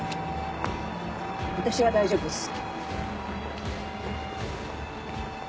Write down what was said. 私は大丈夫です。